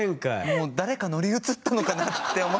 もう誰か乗り移ったのかなって思って。